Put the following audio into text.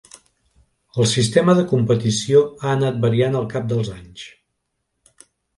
El sistema de competició ha anat variant al cap dels anys.